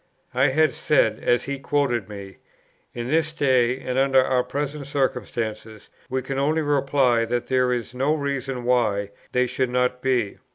I had said, as he quotes me, "In this day, and under our present circumstances, we can only reply, that there is no reason why they should not be."